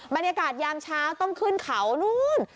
บรรยากาศยามเช้าต้องขึ้นเขานู้น